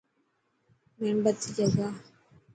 يڻ بتي جگا.